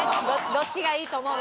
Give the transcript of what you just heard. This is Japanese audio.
「どっちがいいと思う？」